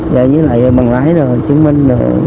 với lại bằng lái rồi chứng minh